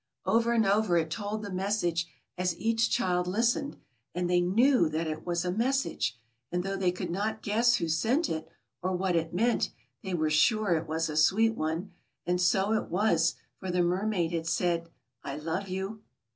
Over and over it told the message as each child listened, and they knew that it was a message; and though they could not guess who sent it, or what it meant, they were sure it was a sweet one; and so it was, for the mermaid had said, love you.